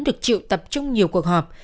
được chịu tập trung nhiều cuộc họp